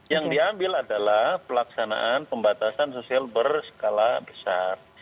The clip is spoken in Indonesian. yang diambil adalah pelaksanaan pembatasan sosial berskala besar